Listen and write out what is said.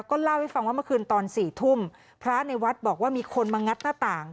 ก็เล่าให้ฟังว่าเมื่อคืนตอนสี่ทุ่มพระในวัดบอกว่ามีคนมางัดหน้าต่าง